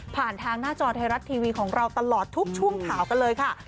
ผ่านทางหน้าจอไทยรัฐทีวีของเราตลอดทุกช่วงข่าวกันเลยค่ะ